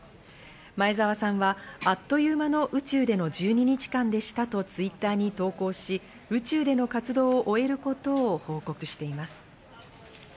前澤さんはあっという間の宇宙での１２日間でしたとＴｗｉｔｔｅｒに投稿し宇宙での活動を終えることを報告しています。